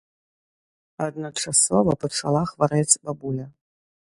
Адначасова пачала хварэць бабуля.